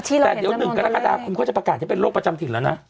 แต่๑กรกฎาคุณค่อนของจะประกาศจะเป็นโรคประจำถิ่นแล้วนะ